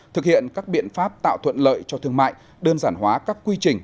thực hiện các biện pháp tạo thuận lợi cho thương mại đơn giản hóa các quy trình